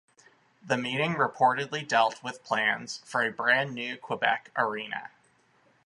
The meeting reportedly dealt with plans for a brand new Quebec arena.